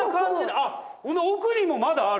あっ奥にもまだある。